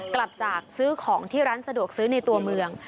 กลับจากซื้อของที่ร้านสะดวกซื้อในตัวเมือง